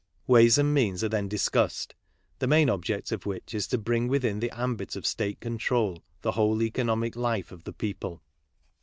Ways and means are then discussed, the main object of which is to bring within the ambit of state control the whole economic life of the people.